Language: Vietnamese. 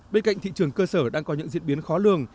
bên cạnh thị trường cơ sở đang có những diễn biến khó lường